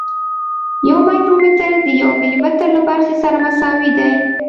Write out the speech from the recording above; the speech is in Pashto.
یو مایکرومتر د یو ملي متر له برخې سره مساوي دی.